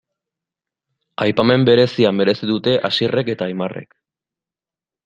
Aipamen berezia merezi dute Asierrek eta Aimarrek.